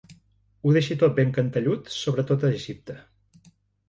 Ho deixi tot ben cantellut, sobretot a Egipte.